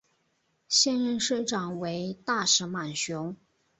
现任市长为大石满雄。